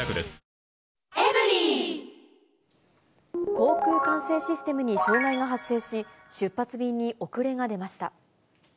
航空管制システムに障害が発生し、出発便に遅れが出ました。